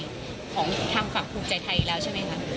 ของทางฝั่งภูมิใจไทยแล้วใช่ไหมคะ